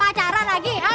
pacaran lagi hm